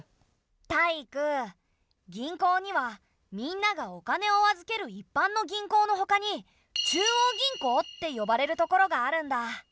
タイイク銀行にはみんながお金を預ける一般の銀行のほかに中央銀行って呼ばれるところがあるんだ。